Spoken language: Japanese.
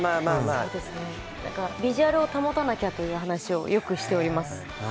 ビジュアルを保たなきゃという話をよくしています。